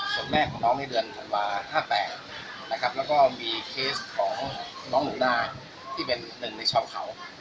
ส่วนแม่ของน้องในเดือนธันวา๕๘นะครับแล้วก็มีเคสของน้องหนูนาที่เป็นหนึ่งในชาวเขา